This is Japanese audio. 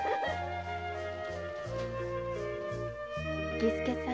儀助さん。